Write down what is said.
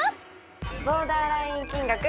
ボーダーライン金額